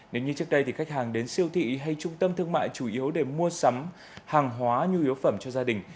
nếu như trước đây thì khách hàng đến siêu thị hay trung tâm thương mại chủ yếu để mua sắm hàng hóa nhu yếu phẩm cho gia đình